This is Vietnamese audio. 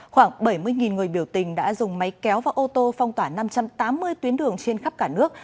khoảng bảy mươi người biểu tình đã dùng máy kéo và ô tô phong tỏa năm trăm tám mươi tuyến đường trên khắp cả nước